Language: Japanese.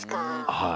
はい。